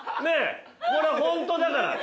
これホントだから。